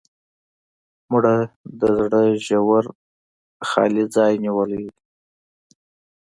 مړه د زړه ژور خالي ځای نیولې ده